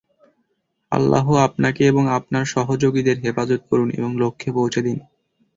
আল্লাহ আপনাকে এবং আপনার সহযোগীদের হেফাজত করুন এবং লক্ষ্যে পৌঁছে দিন।